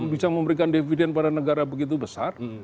bisa memberikan dividen pada negara begitu besar